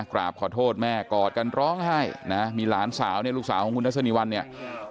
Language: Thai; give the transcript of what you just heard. กราบขอโทษแม่กอดกันร้องไห้นะมีหลานสาวเนี่ยลูกสาวของคุณทัศนีวัลเนี่ย